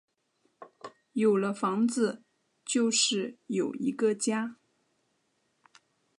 有了房子就是有一个家